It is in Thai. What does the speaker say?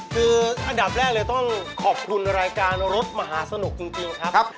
คืออันดับแรกเลยต้องขอบคุณรายการรถมหาสนุกจริงครับ